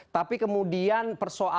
tapi kemudian persoalannya